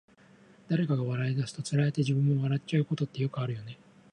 誰かが笑い出すと、つられて自分も笑っちゃうことってよくあるよね。